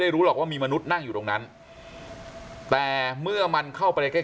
รู้หรอกว่ามีมนุษย์นั่งอยู่ตรงนั้นแต่เมื่อมันเข้าไปใกล้